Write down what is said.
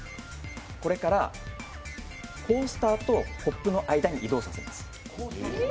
これからコースターとコップの間に移動させます。